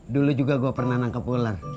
dulu juga gue pernah nangkep ular